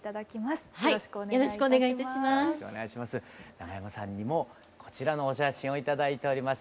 長山さんにもこちらのお写真を頂いております。